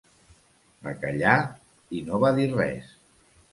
Bacallà, i no va dir res.